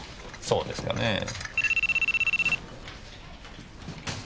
そうですかねぇ。